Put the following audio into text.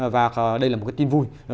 và đây là một tin vui